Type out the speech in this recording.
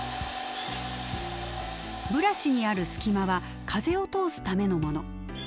ブラシにある隙間は風を通すためのもの。